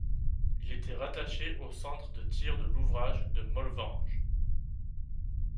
Il était rattaché au centre de tir de l'ouvrage de Molvange.